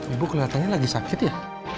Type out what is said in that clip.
ibu kelihatannya lagi sakit ya